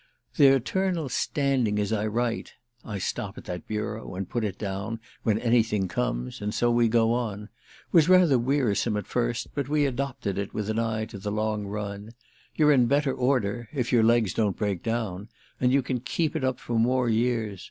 The eternal standing as I write (I stop at that bureau and put it down, when anything comes, and so we go on) was rather wearisome at first, but we adopted it with an eye to the long run; you're in better order—if your legs don't break down!—and you can keep it up for more years.